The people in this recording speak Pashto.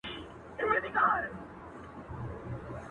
خو آواز یې لا خپل نه وو آزمېیلی،